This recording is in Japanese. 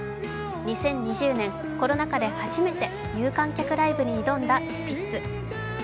２０２０年、コロナ禍で初めて有観客ライブに挑んだスピッツ。